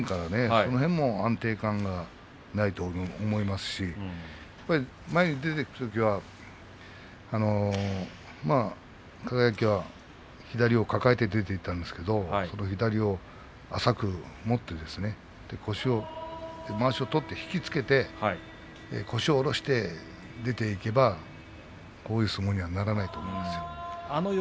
この辺も安定感がないと思いますし前に出ていくときは輝は左を抱えて出ていったんですがその左を浅く持ってまわしを取って引き付けて腰を下ろして出ていけばこういう相撲にはならないと思うんですよ。